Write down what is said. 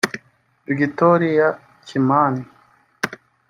Victoria Kimani